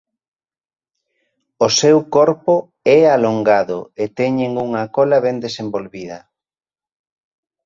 O seu corpo é alongado e teñen unha cola ben desenvolvida.